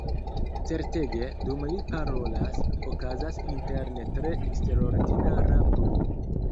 Certege, dum li parolas, okazas interne tre eksterordinara bruo.